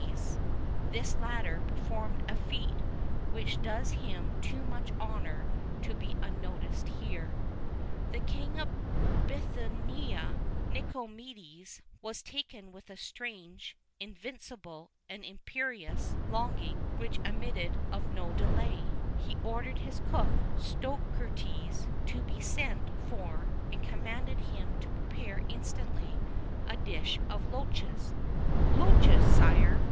[V 34] This latter performed a feat which does him too much honour to be unnoticed here. The King of Bithynia, Nicomedes, was taken with a strange, invincible, and imperious longing which admitted of no delay; he ordered his cook, Soterides, to be sent for, and commanded him to prepare instantly a dish of loaches. "Loaches, Sire!"